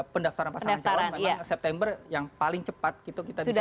pendaftaran pasangan calon memang september yang paling cepat gitu kita bicara